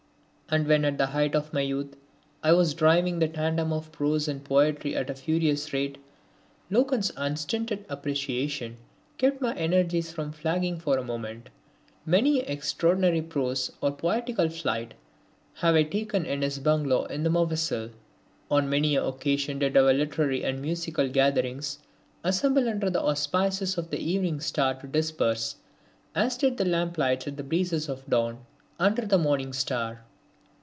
And when at the height of my youth I was driving the tandem of prose and poetry at a furious rate, Loken's unstinted appreciation kept my energies from flagging for a moment. Many an extraordinary prose or poetical flight have I taken in his bungalow in the moffussil. On many an occasion did our literary and musical gatherings assemble under the auspices of the evening star to disperse, as did the lamplights at the breezes of dawn, under the morning star.